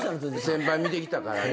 先輩見てきたからね。